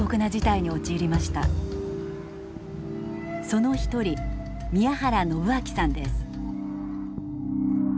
その一人宮原信晃さんです。